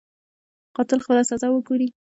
قاتل خپله سزا وګوري.